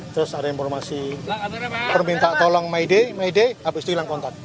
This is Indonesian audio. terus ada informasi permintaan tolong mayday mayday habis itu hilang kontak